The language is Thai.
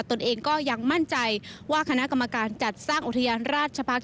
ตนเองก็ยังมั่นใจว่าคณะกรรมการจัดสร้างอุทยานราชพักษ